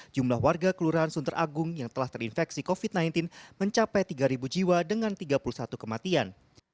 jumlah warga kelurahan sunter agung yang telah terinfeksi covid sembilan belas mencapai tiga jiwa dengan tiga puluh satu kematian